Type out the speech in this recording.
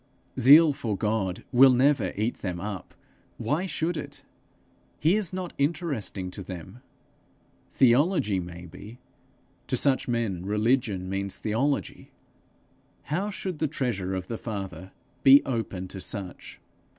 Zeal for God will never eat them up: why should it? he is not interesting to them: theology may be; to such men religion means theology. How should the treasure of the Father be open to such?